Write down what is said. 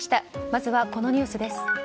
まずは、このニュースです。